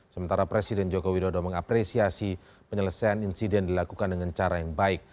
sementara presiden joko widodo mengapresiasi penyelesaian insiden dilakukan dengan cara yang baik